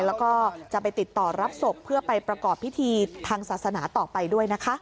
แล้วก็จะไปติดต่อรับศพเพื่อไปประกอบพิธีทางศาสนาต่อไปด้วยนะคะ